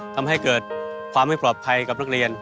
ทำให้เกิดความไม่ปลอดภัยกับนักเรียน